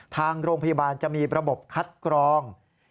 ทางโรงพยาบาลจะมีระบบคัดกรอง